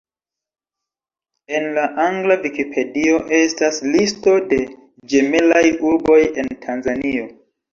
En la angla Vikipedio estas listo de ĝemelaj urboj en Tanzanio.